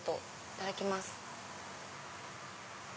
いただきます。